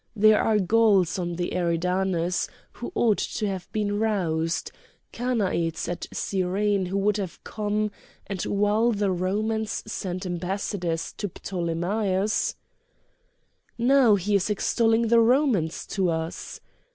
There are Gauls on the Eridanus, who ought to have been roused, Chanaanites at Cyrene who would have come, and while the Romans send ambassadors to Ptolemæus—" "Now he is extolling the Romans to us!"